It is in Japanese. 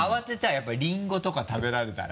やっぱリンゴとか食べられたら。